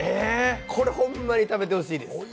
これホンマに食べてほしいです。